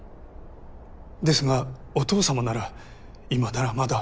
ですがお父さまなら今ならまだ。